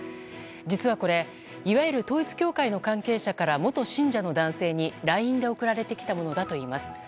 実はこれ、いわゆる統一教会の元信者のもとにＬＩＮＥで送られてきたものだといいます。